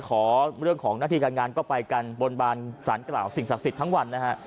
ขอเรื่องของหน้าที่การงานก็ไปกันบนบานสารกล่าวสิ่งศักดิ์สิทธิ์ทั้งวันนะฮะ